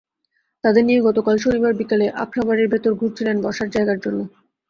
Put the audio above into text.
তাঁদের নিয়ে গতকাল শনিবার বিকেলে আখড়াবাড়ির ভেতর ঘুরছিলেন বসার জায়গার জন্য।